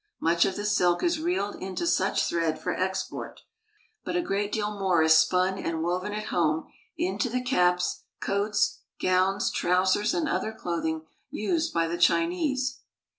Much of the silk is reeled into such thread for export; but a great deal more is spun and woven at home into the caps, coats, gowns, trousers, and other clothing used by the Chinese.